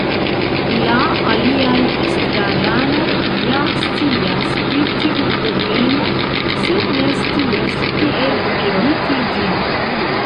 La aliaj estraranoj ja scias pri tiu problemo, sed ne scias kiel eviti ĝin.